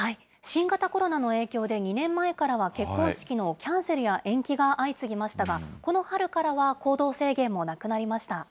新型コロナの影響で、２年前からは、結婚式のキャンセルや延期が相次ぎましたが、この春からは、行動制限もなくなりました。